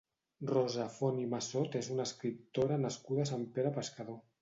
Rosa Font i Massot és una escriptora nascuda a Sant Pere Pescador.